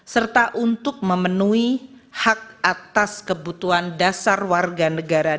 serta untuk memenuhi hak atas kebutuhan dasar warga negara